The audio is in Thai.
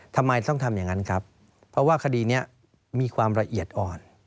ทำไมต้องทำอย่างนั้นครับเพราะว่าคดีนี้มีความละเอียดอ่อน